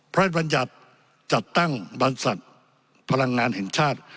บรรยัติจัดตั้งบรรษัทพลังงานแห่งชาติ